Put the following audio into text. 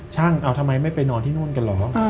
ช่างเอาทำไมไม่ไปนอนที่นู่นกันเหรอ